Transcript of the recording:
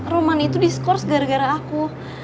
roman itu diskurs gara gara aku